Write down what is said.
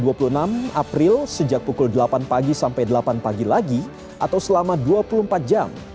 diberlakukan mulai dua puluh lima hingga dua puluh enam april sejak pukul delapan pagi sampai delapan pagi lagi atau selama dua puluh empat jam